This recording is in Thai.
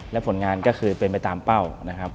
และผลงานก็คือเป็นไปตามเป้า